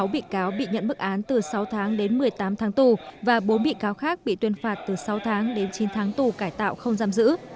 sáu bị cáo bị nhận bức án từ sáu tháng đến một mươi tám tháng tù và bốn bị cáo khác bị tuyên phạt từ sáu tháng đến chín tháng tù cải tạo không giam giữ